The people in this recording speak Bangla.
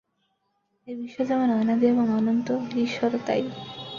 এই বিশ্ব যেমন অনাদি এবং অনন্ত, ঈশ্বরও তাই।